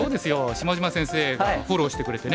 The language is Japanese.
下島先生がフォローしてくれてね。